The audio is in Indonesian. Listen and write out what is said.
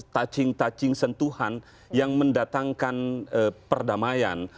touching touching sentuhan yang mendatangkan perdamaian